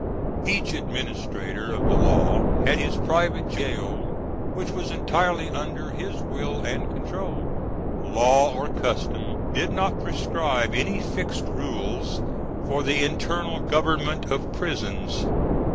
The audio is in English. Each administrator of the law had his private gaol, which was entirely under his will and control (Fig. 353). Law or custom did not prescribe any fixed rules for the internal government of prisons.